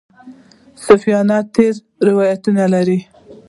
صوفیان تېر روایت لري.